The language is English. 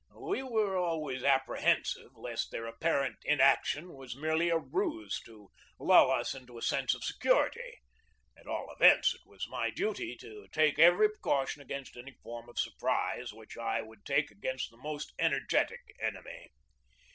We were always apprehensive lest their apparent in action was merely a ruse to lull us into a sense of security. At all events, it was my duty to take every precaution against any form of surprise which I would take against the most energetic enemy.